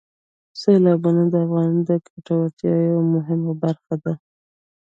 سیلابونه د افغانانو د ګټورتیا یوه مهمه برخه ده.